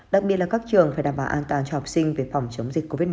đặc biệt là các trường phải đảm bảo an toàn cho học sinh về phòng chống dịch covid một mươi